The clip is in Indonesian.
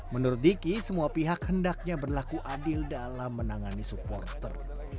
menurut diki semua pihak hendaknya berlaku adil dalam menangani supporter